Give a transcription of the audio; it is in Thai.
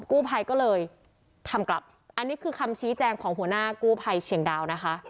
กู้ภัยก็เลยทำกลับอันนี้คือคำชี้แจงของหัวหน้ากู้ภัยเชียงดาวนะคะ